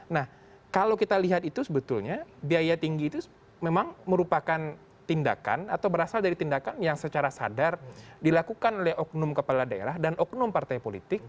nah kalau kita lihat itu sebetulnya biaya tinggi itu memang merupakan tindakan atau berasal dari tindakan yang secara sadar dilakukan oleh oknum kepala daerah dan oknum partai politik